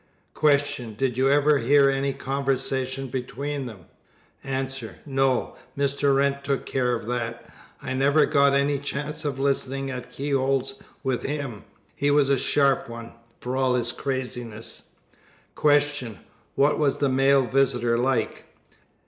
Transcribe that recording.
Q. Did you ever hear any conversation between them? A. No. Mr. Wrent took care of that. I never got any chance of listening at keyholes with him. He was a sharp one, for all his craziness. Q. What was the male visitor like?